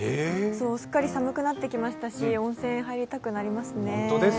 すっかり寒くなってきましたし、温泉に入りたくなりますね。